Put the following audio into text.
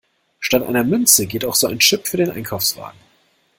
Statt einer Münze geht auch so ein Chip für den Einkaufswagen.